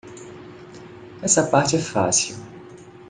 Essa parte é fácil.